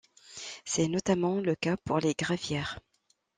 C'est notamment le cas pour les gravières.